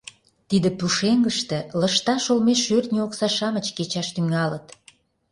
Тиде пушеҥгыште лышташ олмеш шӧртньӧ окса-шамыч кечаш тӱҥалыт.